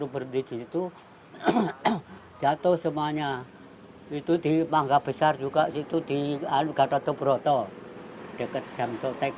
berdiri itu jatuh semuanya itu di mangga besar juga situ di al gatot sobroto deket yang sotek